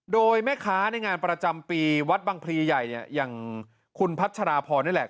โดยแม่ค้าในงานประจำปีวัดบังพลีใหญ่เนี่ยอย่างคุณพัชราพรนี่แหละ